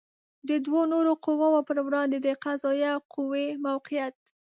د دوو نورو قواوو پر وړاندې د قضائیه قوې موقعیت